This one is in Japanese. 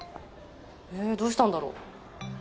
えーどうしたんだろう？